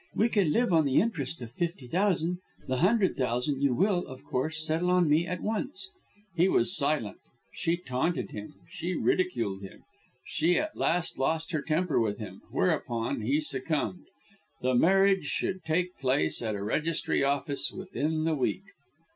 We can live on the interest of fifty thousand. The hundred thousand you will, of course, settle on me at once." He was silent. She taunted him, she ridiculed him; she at last lost her temper with him whereupon he succumbed. The marriage should take place at a registry office within the week.